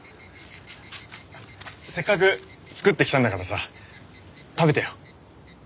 せっかく作ってきたんだからさ食べてよ。